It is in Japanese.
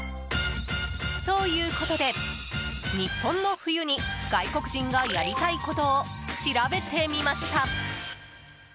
ということで、日本の冬に外国人がやりたいことを調べてみました。